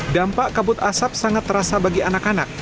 dampak kabut asap sangat terasa bagi anak anak